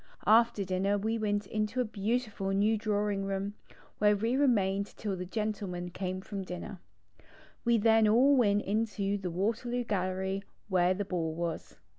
After dinner we went into a beautiful new drawing room ^ where we remained till the gentlemen came from dinner. We then all went into the Waterloo Gallery where the ball was.